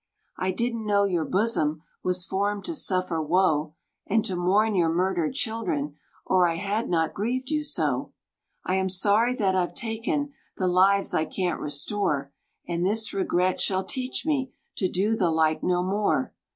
"I didn't know your bosom Was formed to suffer woe, And to mourn your murdered children, Or I had not grieved you so. "I am sorry that I've taken The lives I can't restore; And this regret shall teach me To do the like no more.